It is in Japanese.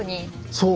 そう。